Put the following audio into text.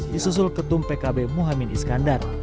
di susul ketum pkb muhammad iskandar